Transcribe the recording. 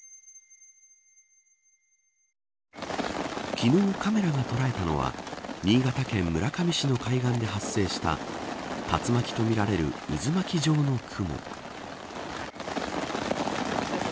昨日、カメラが捉えたのは新潟県村上市の海岸で発生した竜巻とみられる渦巻き状の雲。